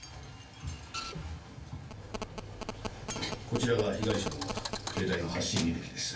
こちらが被害者の携帯の発信履歴です。